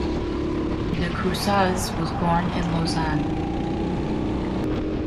De Crousaz was born in Lausanne.